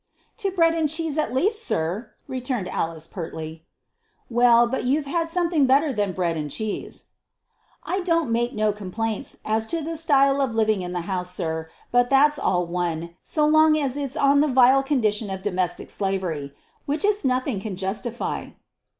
"To bread and cheese at least, sir," returned Alice, pertly. "Well, but you've had something better than bread and cheese." "I don't make no complaints as to the style of livin' in the house, sir, but that's all one, so long as it's on the vile condition of domestic slavery which it's nothing can justify."